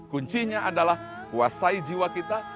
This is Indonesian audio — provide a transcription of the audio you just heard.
kuncinya adalah kuasai jiwa kita